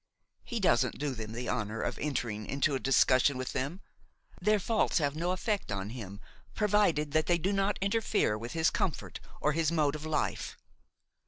He doesn't do them the honor of entering into a discussion with them; their faults have no effect on him provided that they do not interfere with his comfort or his mode of life.